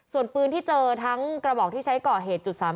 ส่วนปืนที่เจอทั้งกระบอกที่ใช้ก่อเหตุ๓๘